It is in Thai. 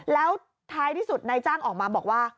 แล้วท้ายที่สุดนายจ้างออกมาบอกว่า